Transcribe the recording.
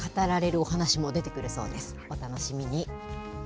お楽しみに。